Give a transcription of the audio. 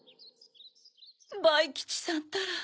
バイきちさんったら。